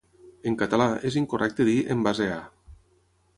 En català, és incorrecte dir "en base a".